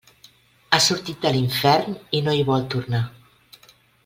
Ha sortit de l'infern i no hi vol tornar.